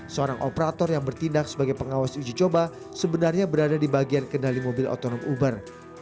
seorang operator yang bertindak sebagai pengawas uji coba sebenarnya berada di bagian kendali mobil otonom uber